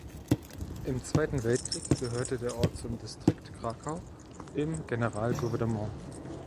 Im Zweiten Weltkrieg gehörte der Ort zum Distrikt Krakau im Generalgouvernement.